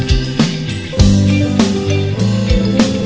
gak usah senyum senyum cong